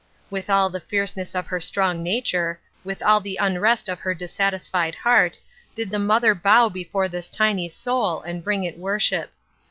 With all the fierceness of her strong nat ure, with all the unrest of her dissatisfied heart, did the mother bow before this tiny soul and bring it worship.